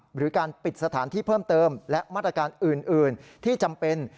หรือการปิดสถานที่เพิ่มเติมและมาตรการอื่นที่จำเป็น